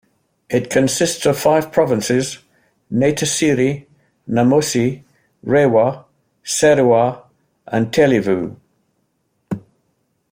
It consists of five provinces - Naitasiri, Namosi, Rewa, Serua and Tailevu.